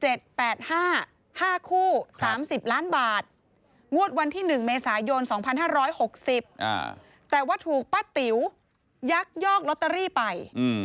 ๓๙๒๗๘๕ห้าคู่๓๐ล้านบาทงวดวันที่๑เมษายน๒๕๖๐แต่ว่าถูกป้าติ๋วยักยอกลอตเตอรี่ไป